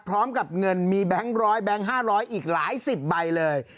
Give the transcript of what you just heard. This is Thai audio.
พร้อมกับเงินมีแบงค์๑๐๐แบงค์๕๐๐อีกหลายสิบใบเลย